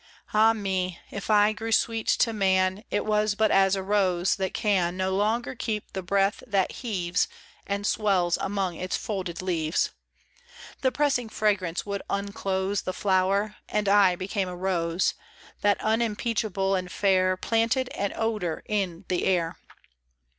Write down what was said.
19 AH me, if I grew sweet to man It was but as a rose that can No longer keep the breath that heaves And swells among its folded leaves. The pressing fragrance would unclose The flower, and I became a rose, That unimpeachable and fair Planted an odour in the air.